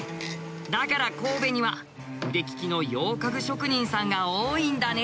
だから神戸には腕利きの洋家具職人さんが多いんだね。